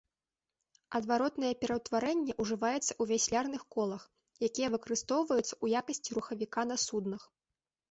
Адваротнае пераўтварэнне ўжываецца ў вяслярных колах, якія выкарыстоўваюцца ў якасці рухавіка на суднах.